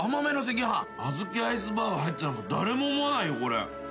あずきアイスバーが入ってるなんか誰も思わないよこれ。